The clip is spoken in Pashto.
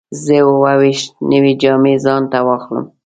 زه اووه ویشت نوې جامې ځان ته واخلم.